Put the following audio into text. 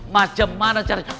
macam mana caranya